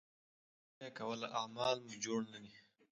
همدا یوه خبره یې کوله اعمال مو جوړ نه دي.